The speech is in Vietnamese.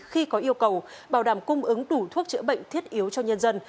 khi có yêu cầu bảo đảm cung ứng đủ thuốc chữa bệnh thiết yếu cho nhân dân